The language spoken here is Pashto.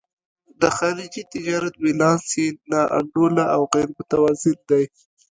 د خارجي تجارت بیلانس یې نا انډوله او غیر متوازن دی.